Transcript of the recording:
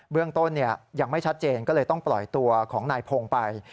เรื่องต้นยังไม่ชัดเจนก็เลยต้องปล่อยตัวของนายพงศ์ไป